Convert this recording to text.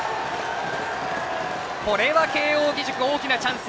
これは慶応義塾、大きなチャンス。